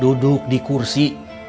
duduk di kursi